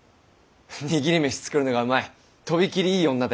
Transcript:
握り飯作るのがうまいとびきりいい女でね。